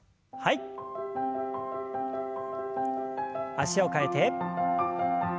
脚を替えて。